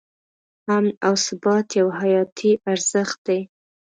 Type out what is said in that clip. امن او ثبات یو حیاتي ارزښت دی.